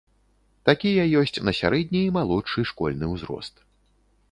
Такія ёсць на сярэдні і малодшы школьны ўзрост.